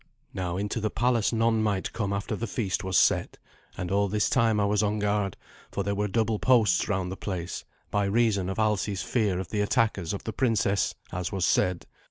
Now into the palace none might come after the feast was set; and all this time I was on guard, for there were double posts round the place, by reason of Alsi's fear of the attackers of the princess, as was said.